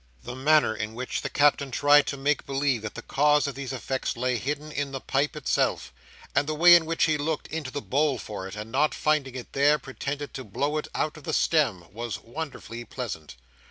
The manner in which the Captain tried to make believe that the cause of these effects lay hidden in the pipe itself, and the way in which he looked into the bowl for it, and not finding it there, pretended to blow it out of the stem, was wonderfully pleasant.